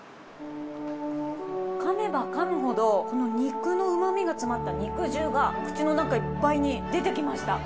かめばかむほどこの肉のうまみが詰まった肉汁が口の中いっぱいに出てきました。